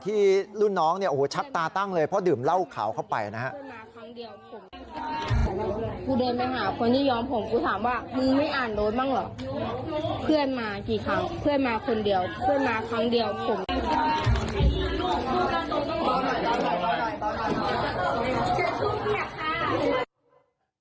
ที่รุ่นน้องชัดตาตั้งเลยเพราะดื่มเหล้าขาวเข้าไปนะฮะ